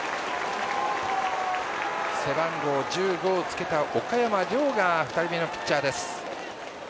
背番号１５をつけた岡山稜が２人目のピッチャーです。